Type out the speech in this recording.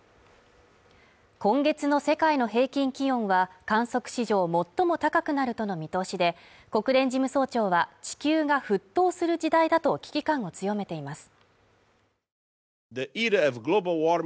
今月の世界の平均気温は観測史上最も高くなるとの見通しで国連事務総長は地球が沸騰する時代だと危機感を強めています